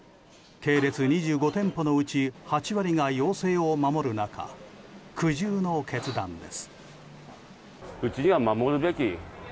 系列２５店舗のうち８割が要請を守る中苦渋の決断です。